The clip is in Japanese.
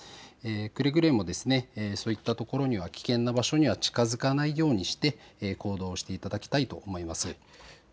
くれぐれも、そういったところに、危険なところには近づかないようにして行動していただきたいと思います。